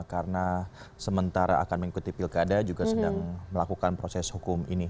karena sementara akan mengikuti pilkada juga sedang melakukan proses hukum ini